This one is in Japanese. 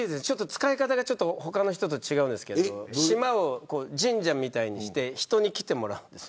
使い方が他の人と違うんですけど島を神社みたいにして人に来てもらうんです。